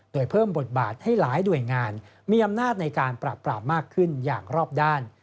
โดยเพิ่มบทบาทให้หลายหน่วยงานมีอำนาจในการปราบปรามมากขึ้นอย่างรอบด้าน